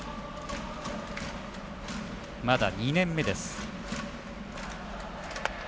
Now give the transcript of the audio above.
まだ２年目です。